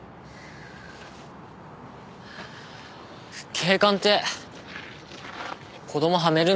警官って子供はめるんだ？